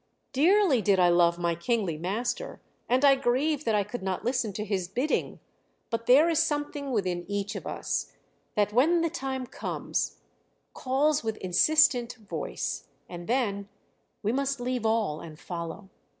Dearly did I love my kingly master; and I grieve that I could not listen to his bidding. But there is something within each of us that when the time comes calls with insistent voice, and then we must leave all and follow.